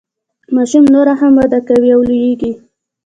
ماشوم نوره هم وده کوي او لوییږي.